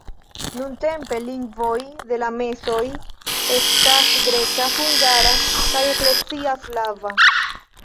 Nuntempe lingvoj de la mesoj estas greka, hungara kaj eklezia slava.